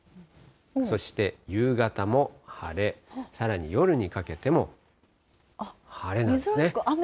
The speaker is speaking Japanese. そして夕方も晴れ、さらに夜にかけても晴れなんですね。